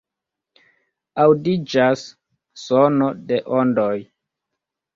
Aŭdiĝas sono de ondoj.